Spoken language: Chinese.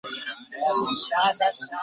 父宁阳侯陈懋。